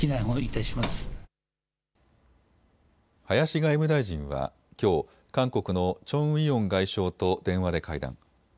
林外務大臣はきょう韓国のチョン・ウィヨン外相と電話で会談。